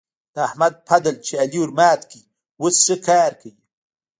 د احمد پدل چې علي ورمات کړ؛ اوس ښه کار کوي.